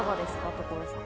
所さん。